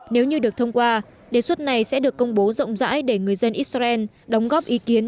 nếu như được thông qua đề xuất này sẽ được công bố rộng rãi để người dân israel đóng góp ý kiến